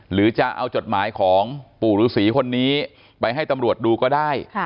หรือจะเอาจดหมายของปู่ฤษีคนนี้ไปให้ตำรวจดูก็ได้